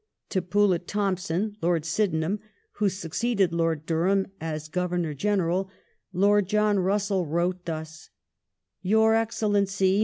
To Poulett Thomson (Lord Sydenham), who succeeded Lord Durham as Governor General, Lord John Russell wrote thus :" Your Excellency